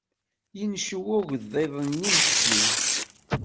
Yenncew ugḍiḍ-nni meskin.